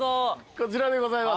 こちらでございます。